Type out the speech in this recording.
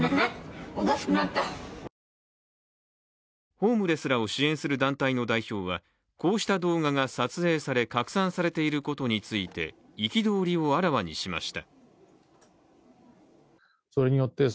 ホームレスらを支援する団体の代表はこうした動画が撮影され拡散されていることについて憤りをあらわにしました。